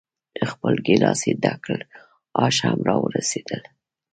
خپل ګیلاس یې ډک کړ، آش هم را ورسېدل.